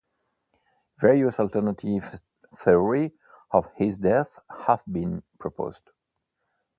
Various alternative theories of his death have been proposed.